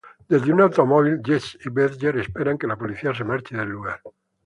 Desde un automóvil, Jesse y Badger esperan que la policía se marche del lugar.